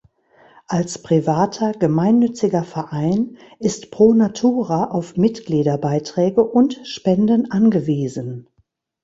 Als privater, gemeinnütziger Verein ist Pro Natura auf Mitgliederbeiträge und Spenden angewiesen.